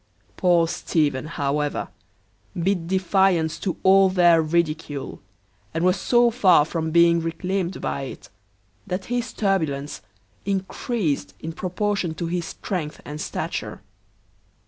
Poor Stephen, however bid defiance to all their ridicule, and was so far from being reclaimed by it, that his turbulence increased in proportion to his strength and stature.